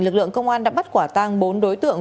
lực lượng công an đã bắt quả tang bốn đối tượng